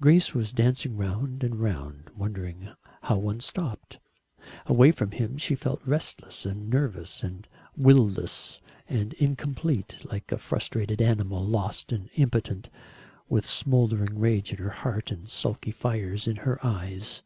Grace was dancing round and round, wondering how one stopped. Away from him she felt restless and nervous and will less and incomplete, like a frustrated animal lost and impotent, with smouldering rage in her heart and sulky fires in her eyes.